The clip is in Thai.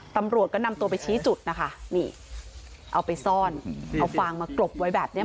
ตำรวจก็นำตัวไปชี้จุดนะคะนี่เอาไปซ่อนเอาฟางมากรบไว้แบบนี้